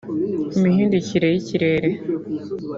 imihindukire y’ikirere